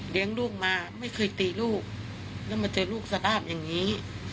ลูกมาไม่เคยตีลูกแล้วมาเจอลูกสภาพอย่างนี้